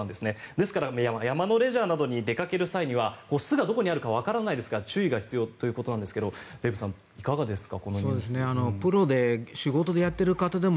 ですから、山のレジャーなどに出掛ける際には巣がどこにあるかわからないですから注意が必要ということですがデーブさん、いかがですか？